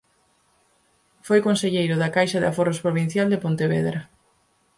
Foi conselleiro da Caixa de Aforros Provincial de Pontevedra.